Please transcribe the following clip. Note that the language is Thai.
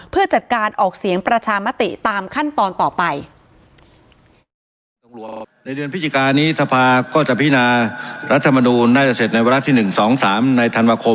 เพื่อจัดการออกเสียงประชามติตามขั้นตอนต่อไป